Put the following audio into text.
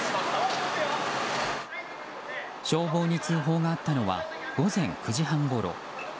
消防に通報があったのは午前９時半ごろ。